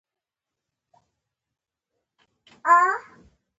لومړی سېبل ورپسې باتون او په اخر کې خاما خبرې وکړې.